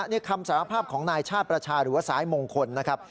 นี่คำสารภาพของนายชาติประชาหรือว่าซ้ายมงคลนะครับ